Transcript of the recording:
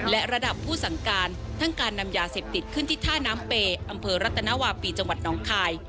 และระดับผู้สั่งการทั้งการนำยาเสพติดขึ้นที่ท่าน้ำเปย์อำเภอรัตนวาปีจังหวัดน้องคาย